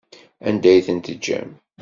Anda ay ten-tejjam?